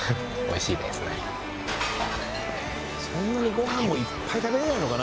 そんなにご飯もいっぱい食べれないのかな